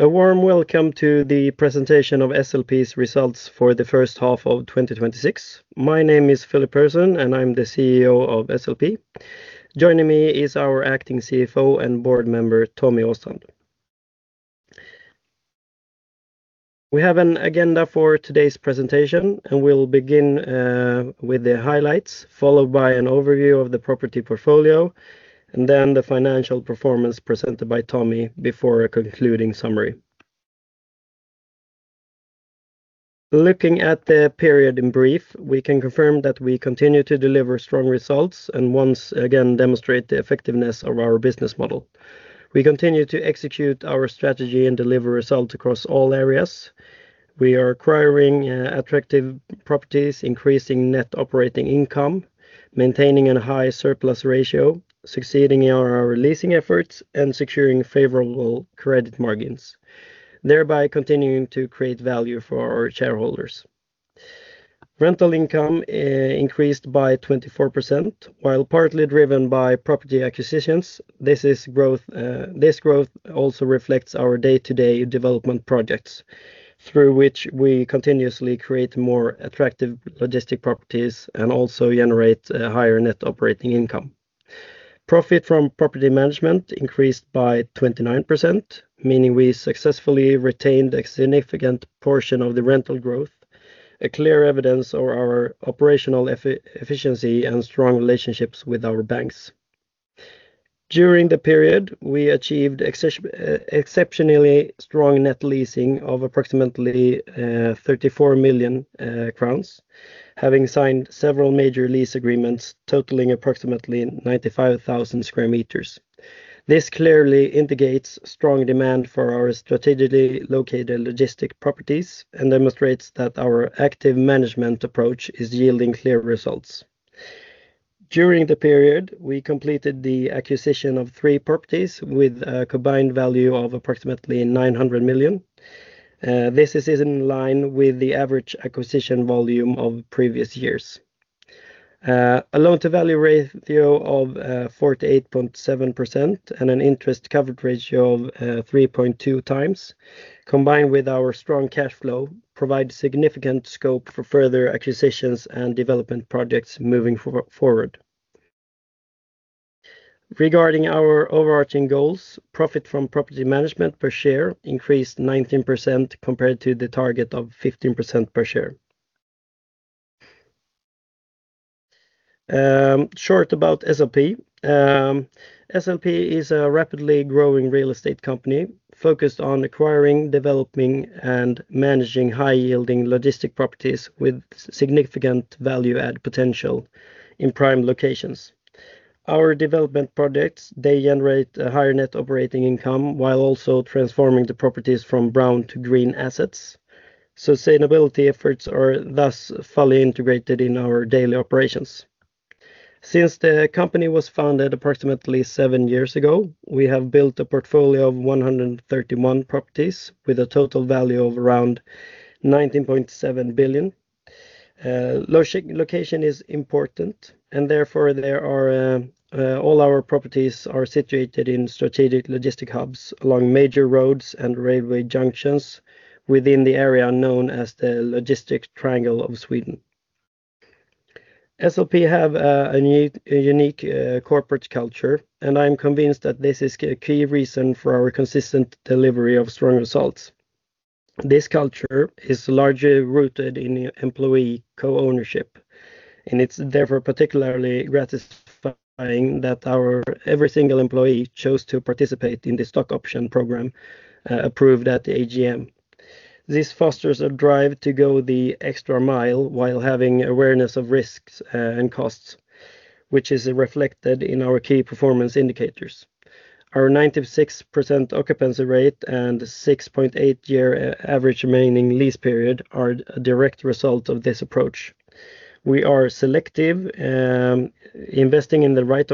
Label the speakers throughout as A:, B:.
A: A warm welcome to the presentation of SLP's results for the first half of 2026. My name is Filip Persson, and I'm the CEO of SLP. Joining me is our acting CFO and board member, Tommy Åstrand. We have an agenda for today's presentation, and we'll begin with our highlights, followed by an overview of the property portfolio, and then the financial performance presented by Tommy before a concluding summary. Looking at the period in brief, we can confirm that we continue to deliver strong results and once again demonstrate the effectiveness of our business model. We continue to execute our strategy and deliver results across all areas. We are acquiring attractive properties, increasing net operating income, maintaining a high surplus ratio, succeeding in our leasing efforts, and securing favorable credit margins, thereby continuing to create value for our shareholders. Rental income increased by 24%, while partly driven by property acquisitions. This growth also reflects our day-to-day development projects, through which we continuously create more attractive logistics properties and also generate a higher net operating income. Profit from property management increased by 29%, meaning we successfully retained a significant portion of the rental growth, a clear evidence of our operational efficiency and strong relationships with our banks. During the period, we achieved exceptionally strong net leasing of approximately 34 million crowns, having signed several major lease agreements totaling approximately 95,000 sq m. This clearly indicates strong demand for our strategically located logistic properties and demonstrates that our active management approach is yielding clear results. During the period, we completed the acquisition of three properties with a combined value of approximately 900 million. This is in-line with the average acquisition volume of previous years. A loan-to-value ratio of 48.7% and an interest coverage ratio of 3.2x, combined with our strong cash flow, provide significant scope for further acquisitions and development projects moving forward. Regarding our overarching goals, profit from property management per share increased 19% compared to the target of 15% per share. Short about SLP. SLP is a rapidly growing real estate company focused on acquiring, developing, and managing high-yielding logistics properties with significant value-add potential in prime locations. Our development projects, they generate a higher net operating income while also transforming the properties from brown to green assets. Sustainability efforts are thus fully integrated in our daily operations. Since the company was founded approximately seven years ago, we have built a portfolio of 131 properties with a total value of around 19.7 billion. Location is important, and therefore, all our properties are situated in strategic logistic hubs along major roads and railway junctions within the area known as the logistic triangle of Sweden. SLP has a unique corporate culture, and I'm convinced that this is a key reason for our consistent delivery of strong results. This culture is largely rooted in employee co-ownership, and it's therefore particularly gratifying that our every single employee chose to participate in the stock option program approved at the AGM. This fosters a drive to go the extra mile while having awareness of risks and costs, which is reflected in our key performance indicators. Our 96% occupancy rate and 6.8-year average remaining lease period are a direct result of this approach. We are selective, investing in the right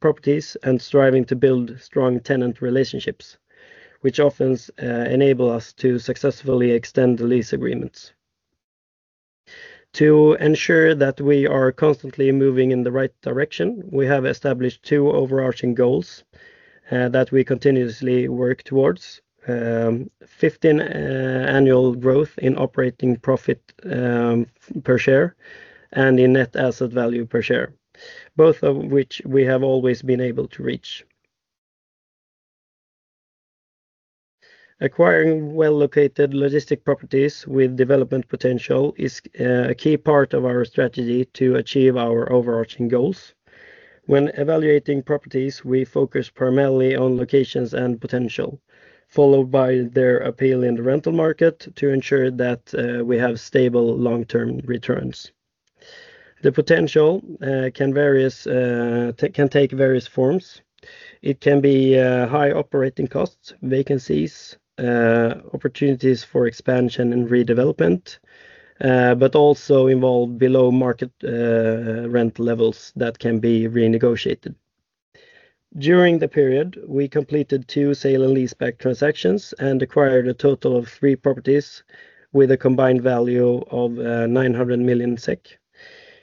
A: properties and striving to build strong tenant relationships, which often enable us to successfully extend the lease agreements. To ensure that we are constantly moving in the right direction, we have established two overarching goals that we continuously work towards. 15% annual growth in operating profit per share and in net asset value per share, both of which we have always been able to reach. Acquiring well-located logistics properties with development potential is a key part of our strategy to achieve our overarching goals. When evaluating properties, we focus primarily on locations and potential, followed by their appeal in the rental market to ensure that we have stable long-term returns. The potential can take various forms. It can be high operating costs, vacancies, opportunities for expansion and redevelopment, but also involve below-market rent levels that can be renegotiated. During the period, we completed two sale and leaseback transactions and acquired a total of three properties with a combined value of 900 million SEK,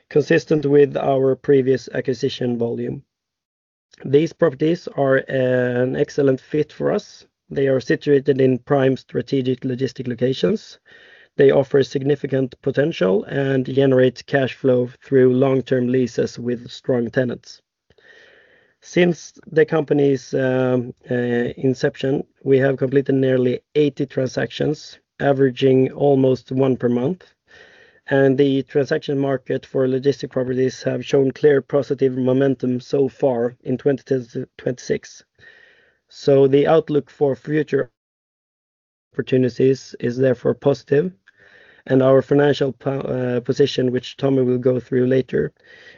A: consistent with our previous acquisition volume. These properties are an excellent fit for us. They are situated in prime strategic logistics locations. They offer significant potential and generate cash flow through long-term leases with strong tenants. Since the company's inception, we have completed nearly 80 transactions, averaging almost one per month, and the transaction market for logistics properties has shown clear positive momentum so far in 2026. The outlook for future opportunities is therefore positive, and our financial position, which Tommy will go through later,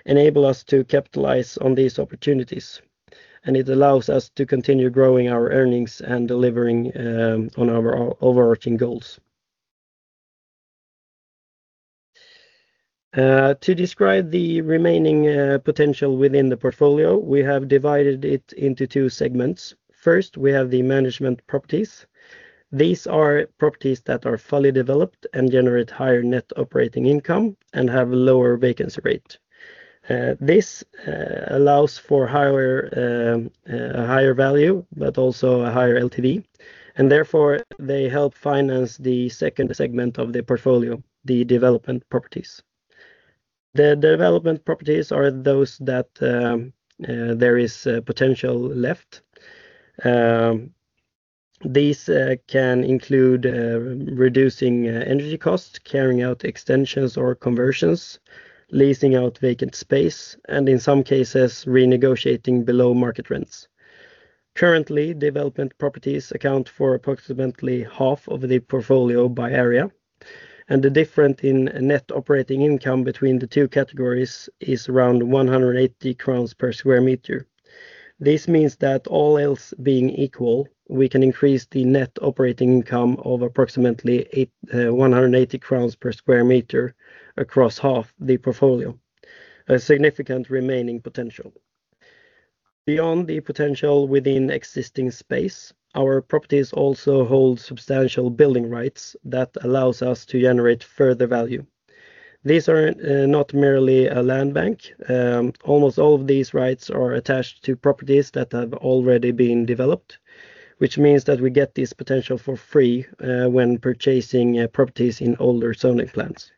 A: enables us to capitalize on these opportunities. It allows us to continue growing our earnings and delivering on our overarching goals. To describe the remaining potential within the portfolio, we have divided it into two segments. First, we have the management properties. These are properties that are fully developed and generate higher net operating income and have lower vacancy rate. This allows for a higher value, but also a higher LTV, and therefore, they help finance the second segment of the portfolio, the development properties. The development properties are those that there is potential left. These can include reducing energy costs, carrying out extensions or conversions, leasing out vacant space, and in some cases, renegotiating below-market rents. Currently, development properties account for approximately half of the portfolio by area, and the difference in net operating income between the two categories is around 180 crowns per square meter. This means that all else being equal, we can increase the net operating income of approximately 180 crowns per square meter across half the portfolio. A significant remaining potential. Beyond the potential within existing space, our properties also hold substantial building rights that allow us to generate further value. These are not merely a land bank. Almost all of these rights are attached to properties that have already been developed, which means that we get this potential for free when purchasing properties in older zoning plans.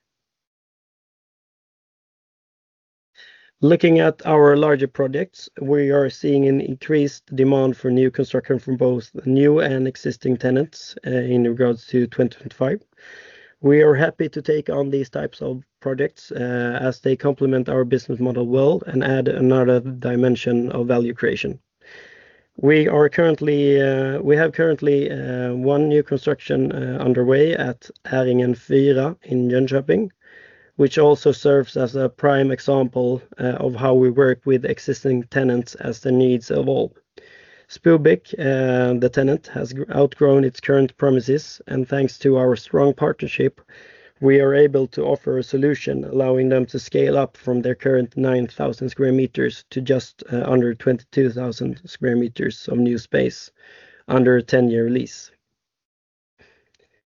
A: Looking at our larger projects, we are seeing an increased demand for new construction from both new and existing tenants in regards to 2026. We are happy to take on these types of projects as they complement our business model well and add another dimension of value creation. We have currently one new construction underway at Äringen 4 in Jönköping, which also serves as a prime example of how we work with existing tenants as the needs evolve. Spobik, the tenant, has outgrown its current premises. Thanks to our strong partnership, we are able to offer a solution allowing them to scale up from their current 9,000 sq m to just under 22,000 sq m of new space under a 10-year lease.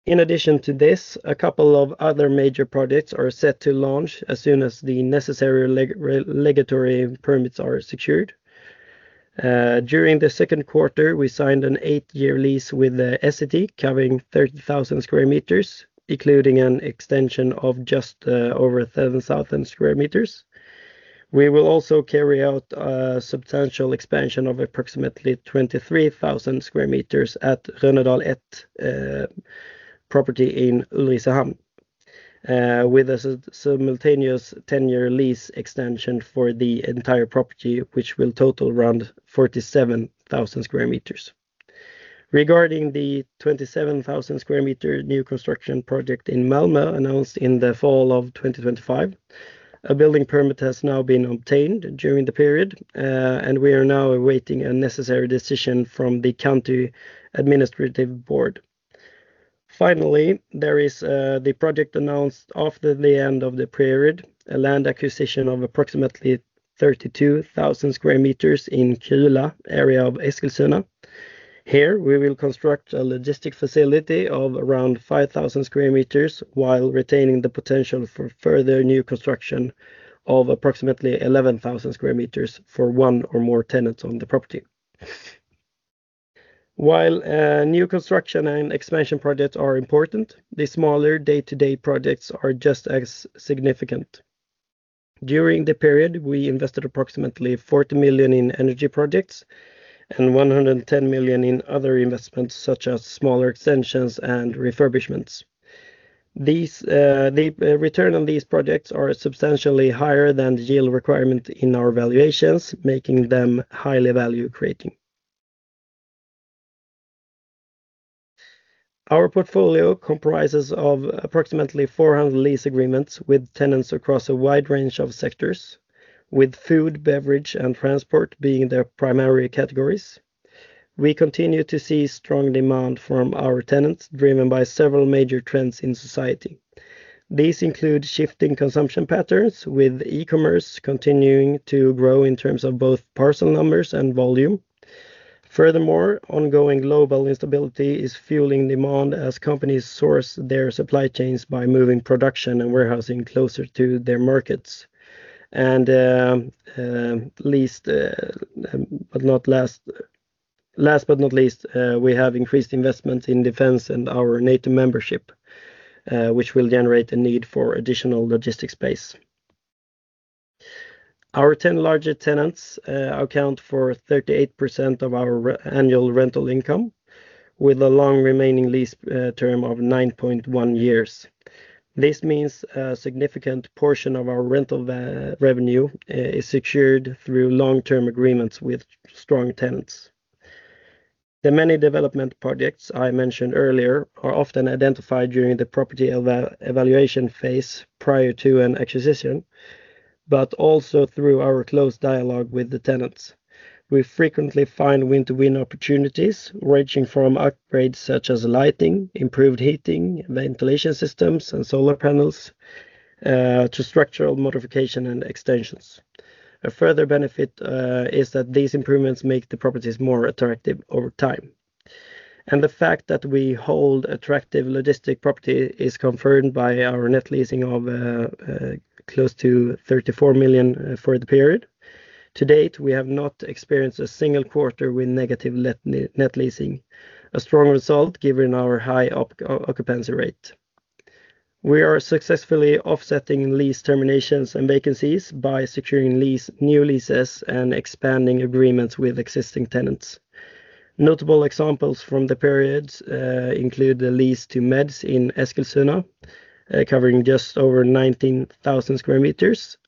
A: In addition to this, a couple of other major projects are set to launch as soon as the necessary regulatory permits are secured. During the second quarter, we signed an eight-year lease with Essity covering 30,000 sq m, including an extension of just over 7,250 sq m. We will also carry out a substantial expansion of approximately 23,000 sq m at the Rönnedal 1 property in Ulricehamn with a simultaneous 10-year lease extension for the entire property, which will total around 47,000 sq m. Regarding the 27,000 sq m new construction project in Malmö announced in the fall of 2025, a building permit has now been obtained during the period. We are now awaiting a necessary decision from the County Administrative Board. Finally, there is the project announced after the end of the period, a land acquisition of approximately 32,000 sq m in Kjula area of Eskilstuna. Here, we will construct a logistics facility of around 5,000 sq m while retaining the potential for further new construction of approximately 11,000 sq m for one or more tenants on the property. While new construction and expansion projects are important, the smaller day-to-day projects are just as significant. During the period, we invested approximately 40 million in energy projects and 110 million in other investments such as smaller extensions and refurbishments. The return on these projects is substantially higher than the yield requirement in our valuations, making them highly value-creating. Our portfolio comprises of approximately 400 lease agreements with tenants across a wide range of sectors, with food, beverage, and transport being their primary categories. We continue to see strong demand from our tenants, driven by several major trends in society. These include shifting consumption patterns, with e-commerce continuing to grow in terms of both parcel numbers and volume. Ongoing global instability is fueling demand as companies source their supply chains by moving production and warehousing closer to their markets. Last but not least, we have increased investment in defense and our NATO membership, which will generate a need for additional logistics space. Our 10 largest tenants account for 38% of our annual rental income, with a long remaining lease term of 9.1 years. This means a significant portion of our rental revenue is secured through long-term agreements with strong tenants. The many development projects I mentioned earlier are often identified during the property evaluation phase prior to an acquisition, also through our close dialogue with the tenants. We frequently find win-win opportunities ranging from upgrades such as lighting, improved heating, ventilation systems, and solar panels, to structural modification and extensions. A further benefit is that these improvements make the properties more attractive over time. The fact that we hold attractive logistics property is confirmed by our net leasing of close to 34 million for the period. To date, we have not experienced a single quarter with negative net leasing, a strong result given our high occupancy rate. We are successfully offsetting lease terminations and vacancies by securing new leases and expanding agreements with existing tenants. Notable examples from the period include the lease to MEDS in Eskilstuna, covering just over 19,000 sq m,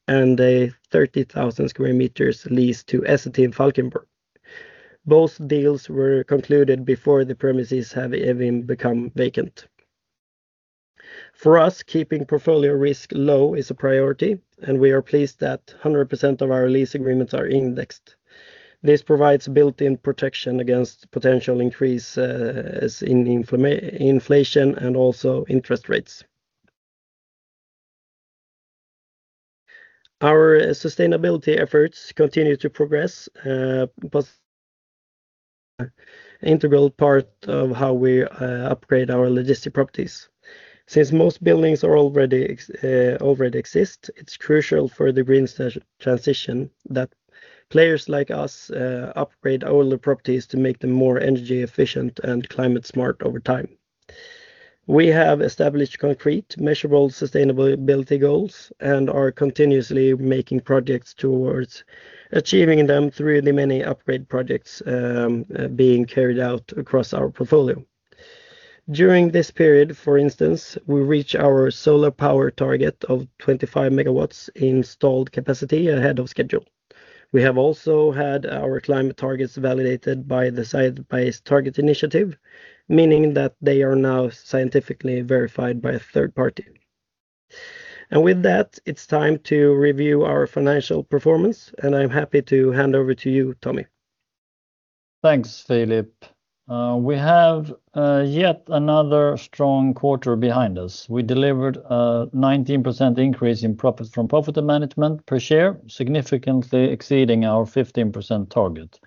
A: and a 30,000 sq m lease to Essity in Borås. Both deals were concluded before the premises have even become vacant. For us, keeping portfolio risk low is a priority, and we are pleased that 100% of our lease agreements are indexed. This provides built-in protection against potential increases in inflation and also interest rates. Our sustainability efforts continue to progress, but an integral part of how we upgrade our logistics properties. Since most buildings already exist, it's crucial for the green transition that players like us upgrade older properties to make them more energy efficient and climate-smart over time. We have established concrete, measurable sustainability goals and are continuously making progress towards achieving them through the many upgrade projects being carried out across our portfolio. During this period, for instance, we reached our solar power target of 25 MW installed capacity ahead of schedule. We have also had our climate targets validated by the Science Based Targets initiative, meaning that they are now scientifically verified by a third party. With that, it's time to review our financial performance, and I'm happy to hand over to you, Tommy.
B: Thanks, Filip. We have yet another strong quarter behind us. We delivered a 19% increase in profit from property management per share, significantly exceeding our 15% target.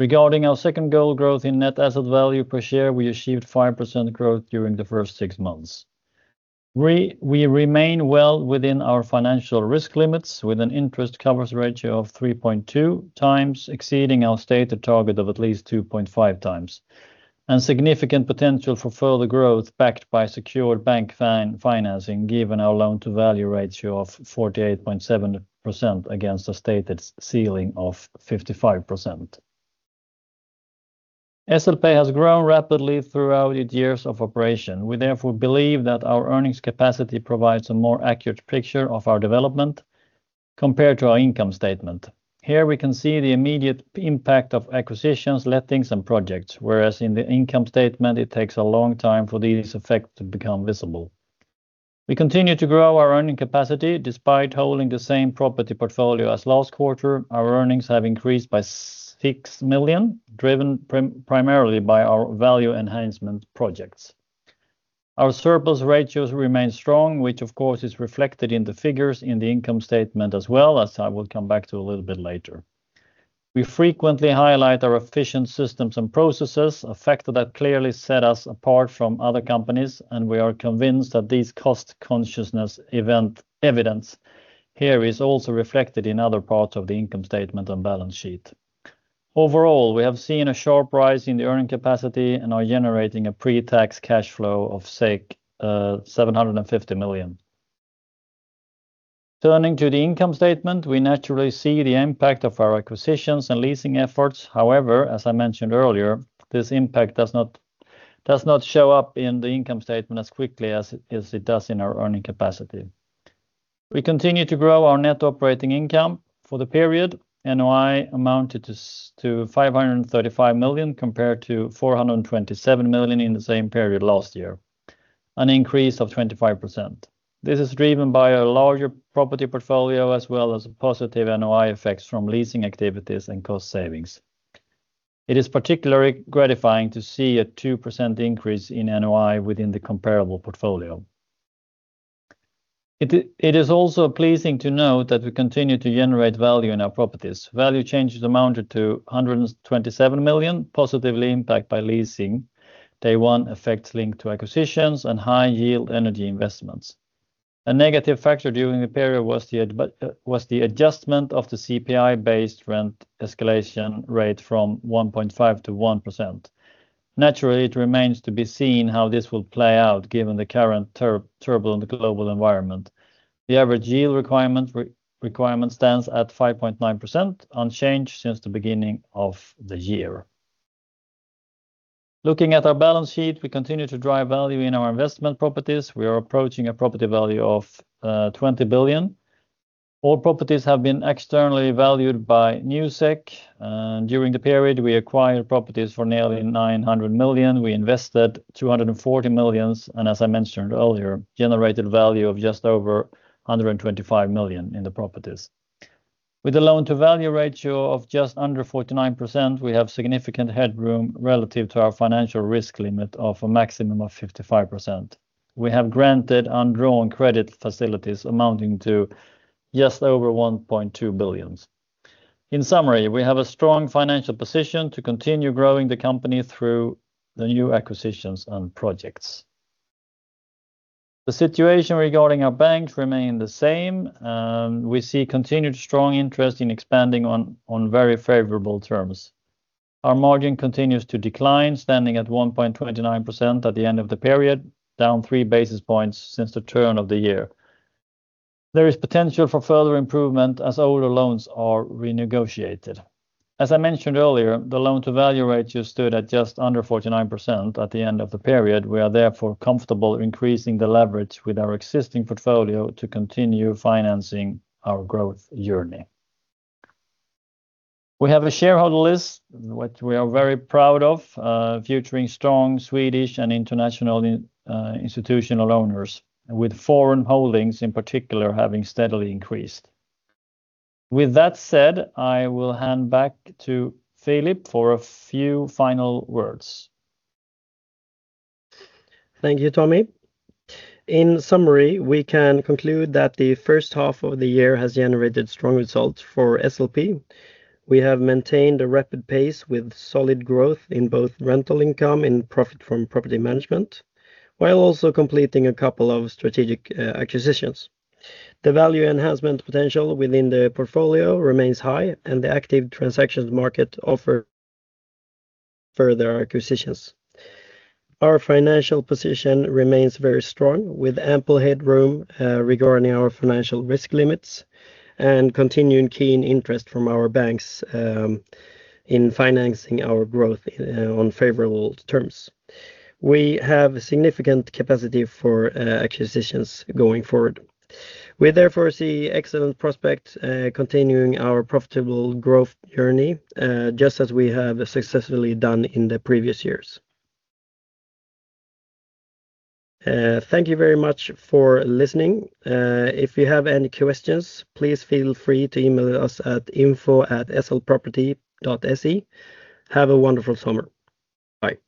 B: Regarding our second goal, growth in net asset value per share, we achieved 5% growth during the first six months. We remain well within our financial risk limits with an interest coverage ratio of 3.2x, exceeding our stated target of at least 2.5x. Significant potential for further growth backed by secured bank financing, given our loan-to-value ratio of 48.7% against a stated ceiling of 55%. SLP has grown rapidly throughout its years of operation. We therefore believe that our earning capacity provides a more accurate picture of our development compared to our income statement. Here we can see the immediate impact of acquisitions, lettings, and projects, whereas in the income statement it takes a long time for these effects to become visible. We continue to grow our earning capacity despite holding the same property portfolio as last quarter. Our earnings have increased by 6 million, driven primarily by our value enhancement projects. Our surplus ratios remain strong, which of course is reflected in the figures in the income statement as well, as I will come back to a little bit later. We frequently highlight our efficient systems and processes, a factor that clearly set us apart from other companies, and we are convinced that this cost-conscious approach evidence here is also reflected in other parts of the income statement and balance sheet. Overall, we have seen a sharp rise in the earning capacity and are generating a pre-tax cash flow of 750 million. Turning to the income statement, we naturally see the impact of our acquisitions and leasing efforts. However, as I mentioned earlier, this impact does not show up in the income statement as quickly as it does in our earning capacity. We continue to grow our net operating income. For the period, NOI amounted to 535 million compared to 427 million in the same period last year, an increase of 25%. This is driven by a larger property portfolio as well as positive NOI effects from leasing activities and cost savings. It is particularly gratifying to see a 2% increase in NOI within the comparable portfolio. It is also pleasing to know that we continue to generate value in our properties. Value changes amounted to 127 million, positively impacted by leasing, day one effects linked to acquisitions, and high-yield energy investments. A negative factor during the period was the adjustment of the CPI-based rent escalation rate from 6.5% to 1%. Naturally, it remains to be seen how this will play out given the current turbulent global environment. The average yield requirement stands at 5.9%, unchanged since the beginning of the year. Looking at our balance sheet, we continue to drive value in our investment properties. We are approaching a property value of 20 billion. All properties have been externally valued by Newsec. During the period, we acquired properties for nearly 900 million. We invested around 240 million, and as I mentioned earlier, generated value of just over 125 million in the properties. With a loan-to-value ratio of just under 49%, we have significant headroom relative to our financial risk limit of a maximum of 55%. We have granted undrawn credit facilities amounting to just over 1.2 billion. In summary, we have a strong financial position to continue growing the company through the new acquisitions and projects. The situation regarding our banks remains the same. We see continued strong interest in expanding on very favorable terms. Our margin continues to decline, standing at 1.29% at the end of the period, down three basis points since the turn of the year. There is potential for further improvement as older loans are renegotiated. As I mentioned earlier, the loan-to-value ratio stood at just under 49% at the end of the period. We are therefore comfortable increasing the leverage with our existing portfolio to continue financing our growth journey. We have a shareholder list, which we are very proud of, featuring strong Swedish and international institutional owners, with foreign holdings in particular having steadily increased. With that said, I will hand back to Filip for a few final words.
A: Thank you, Tommy. In summary, we can conclude that the first half of the year has generated strong results for SLP. We have maintained a rapid pace with solid growth in both rental income and profit from property management, while also completing a couple of strategic acquisitions. The value enhancement potential within the portfolio remains high, and the active transactions market offer further acquisitions. Our financial position remains very strong, with ample headroom regarding our financial risk limits and continuing keen interest from our banks in financing our growth on favorable terms. We have significant capacity for acquisitions going forward. We therefore see excellent prospects continuing our profitable growth journey, just as we have successfully done in the previous years. Thank you very much for listening. If you have any questions, please feel free to email us at info@slproperty.se. Have a wonderful summer. Bye